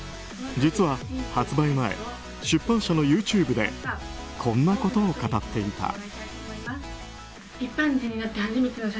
実は、発売前出版社のＹｏｕＴｕｂｅでこんなことを語っていた。